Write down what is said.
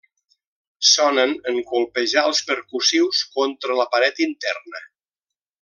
Sonen en colpejar els percussius contra la paret interna.